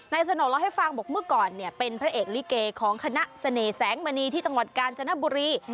สนกเล่าให้ฟังบอกเมื่อก่อนเนี่ยเป็นพระเอกลิเกของคณะเสน่ห์แสงมณีที่จังหวัดกาญจนบุรี